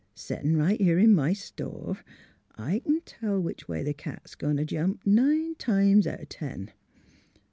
Settin' right here in my store, I c'n tell which way the cat 's goin' t' jump nine times out o ' ten.